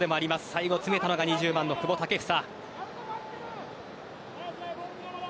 最後、詰めたのが２０番の久保建英。